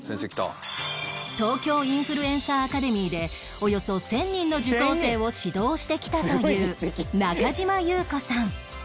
ＴＯＫＹＯ インフルエンサーアカデミーでおよそ１０００人の受講生を指導してきたという中島侑子さん